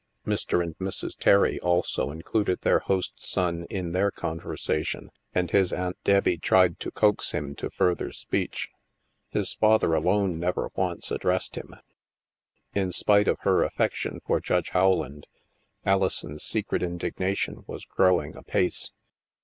Mr. and Mrs. Terry also included their host's son in their conversation, and his Aunt Deb bie tried to coax him to further speech. His father alone never once addressed him. In spite of her af fection for Judge Howland, Alison's secret indigna tion was growing apace.